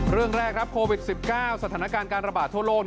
เรื่องแรกครับโควิด๑๙สถานการณ์การระบาดทั่วโลก